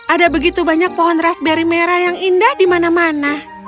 ada begitu banyak pohon raspberry merah yang indah di mana mana